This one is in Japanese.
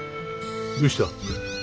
どうした？